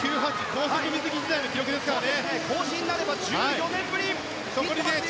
高速水着時代の記録ですからね。